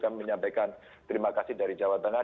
kami menyampaikan terima kasih dari jawa tengah